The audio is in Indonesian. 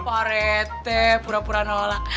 pak r t pura pura nolak nolak